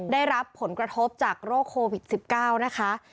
ได้รับผลกระทบจากโรคโควิด๑๙นะคะ